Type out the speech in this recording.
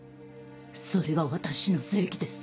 それが私の正義です。